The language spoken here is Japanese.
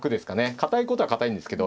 堅いことは堅いんですけど。